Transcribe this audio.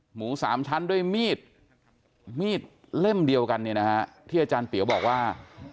หมูสามชั้นด้วยมีดเล่มเดียวกันที่อาจารย์เปี๋ยวบอกว่า